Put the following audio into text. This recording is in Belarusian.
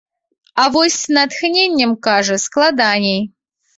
А вось з натхненнем, кажа, складаней.